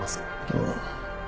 ああ。